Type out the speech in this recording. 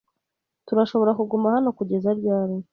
Turashobora kuguma hano kugeza ryari?